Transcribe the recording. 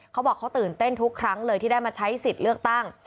เขาบอกเขาตื่นเต้นทุกครั้งเลยที่ได้มาใช้สิทธิ์เลือกตั้ง